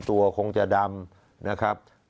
คงจะดำนะครับ